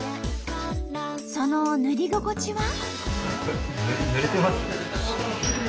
その塗り心地は？